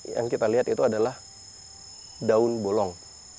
yang kita lihat itu adalah daun bolong